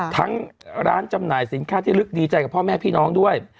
ทั้งร้านจำหน่ายสินค้าที่ลึกดีใจกับพ่อแม่พี่น้องด้วย